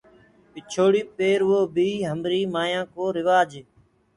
پِڇوڙي پيروو بي همري مايانٚ ڪو روآج هي۔